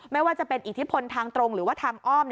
ไม่ว่าจะเป็นอิทธิพลทางตรงหรือว่าทางอ้อม